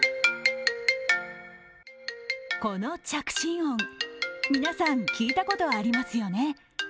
この着信音皆さん聞いたことありますよね？